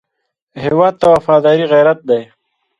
هېواد ته وفاداري غیرت دی